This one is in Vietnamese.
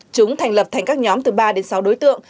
chúng thành lập thành các nhóm từ ba đến sáu đối tượng